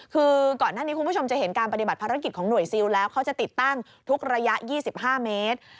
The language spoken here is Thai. คือก่อนหน้านี้คุณผู้ชมจะเห็นการปฏิบัติภารกิจของหน่วยซิลแล้วเขาจะติดตั้งทุกระยะ๒๕เมตร